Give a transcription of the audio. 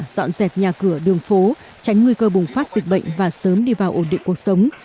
dọn dẹp nhà cửa đường phố tránh nguy cơ bùng phát dịch bệnh và sớm đi vào ổn định cuộc sống